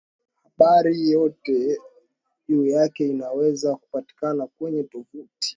habari yote juu yake inaweza kupatikana kwenye tovuti